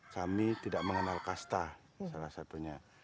kami tidak mengenal kasta salah satunya